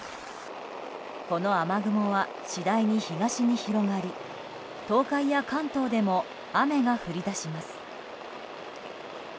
この雨雲は次第に東に広がり東海や関東でも雨が降り出します。